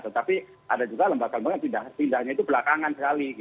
tetapi ada juga lembaga lembaga yang pindahnya itu belakangan sekali